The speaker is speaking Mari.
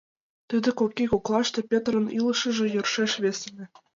Тиде кок ий коклаште Пӧтырын илышыже йӧршеш весеме.